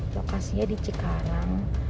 lokasinya di cikarang